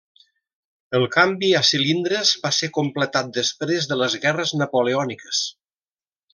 El canvi a cilindres va ser completat després de les guerres napoleòniques.